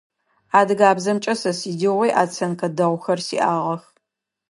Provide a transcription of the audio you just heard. Адыгэбзэмкӏэ сэ сыдигъуи оценкэ дэгъухэр сиӏагъэх.